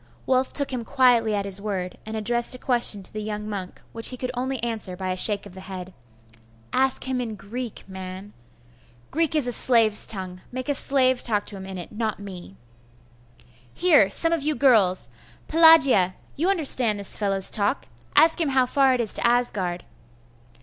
Wulf took him quietly at his word, and addressed a question to the young monk, which he could only answer by a shake of the head. 'Ask him in Greek, man.' 'Greek is a slave's tongue. Make a slave talk to him in it, not me.' 'Here some of you girls! Pelagia! you understand this fellow's talk. Ask him how far it is to Asgard.